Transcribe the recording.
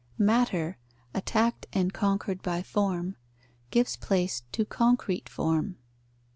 Matter, attacked and conquered by form, gives place to concrete form.